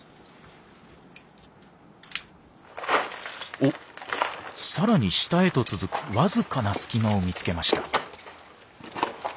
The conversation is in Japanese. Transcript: おっさらに下へと続く僅かな隙間を見つけました。